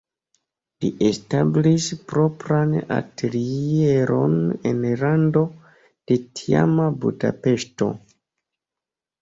Li establis propran atelieron en rando de tiama Budapeŝto.